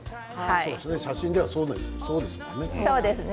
写真では、そうですもんね。